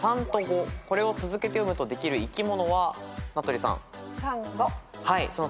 これを続けて読むとできる生き物は名取さん。